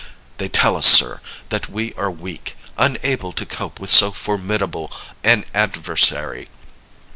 They tell us, sir, that we are weak unable to cope with so formidable an adversary.